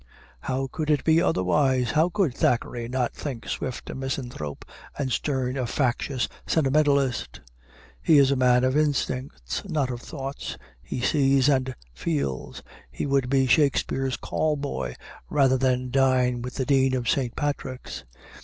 How could it be otherwise? How could Thackeray not think Swift a misanthrope and Sterne a factitious sentimentalist? He is a man of instincts, not of thoughts: he sees and feels. He would be Shakespeare's call boy, rather than dine with the Dean of St. Patrick's.